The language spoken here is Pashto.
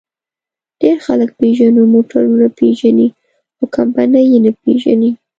ډېر خلک پيژو موټرونه پېژني؛ خو کمپنۍ یې نه پېژني.